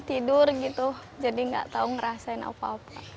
tidur gitu jadi nggak tahu ngerasain apa apa